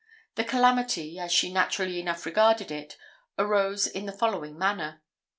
The calamity, as she naturally enough regarded it, arose in the following manner.